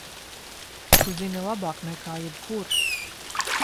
Tu zini labāk nekā jebkurš!